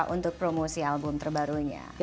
untuk promosi album terbarunya